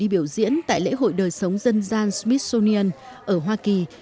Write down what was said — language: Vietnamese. khi biểu diễn tại lễ hội đời sống dân gian smithsonian ở hoa kỳ